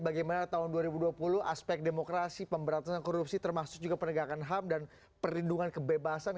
bagaimana tahun dua ribu dua puluh aspek demokrasi pemberantasan korupsi termasuk juga penegakan ham dan perlindungan kebebasan